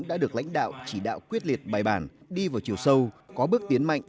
đã được lãnh đạo chỉ đạo quyết liệt bài bản đi vào chiều sâu có bước tiến mạnh